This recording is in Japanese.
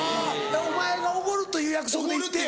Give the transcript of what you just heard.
お前がおごるという約束で行って。